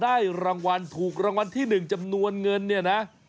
ได้รางวัลถูกรางวัลที่๑จำนวนเงินเนี่ยนะ